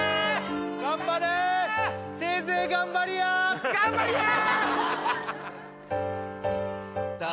頑張れーせいぜい頑張りやー頑張りやー！